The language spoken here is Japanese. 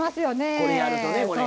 これやるとね。